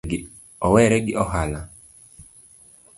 Owere gi ohala?